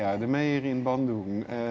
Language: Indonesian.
para pemerintah di bandung